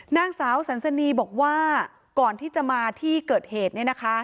นางสาวสรรษณีย์บอกว่าก่อนที่จะมาที่เกิดเหตุเนี่ยนะคะ